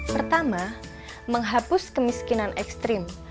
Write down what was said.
pertama menghapus kemiskinan ekstrim